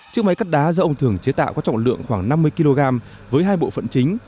chiếc máy cắt đá do ông thường chế tạo có trọng lượng khoảng năm mươi kg với hai bộ phận chính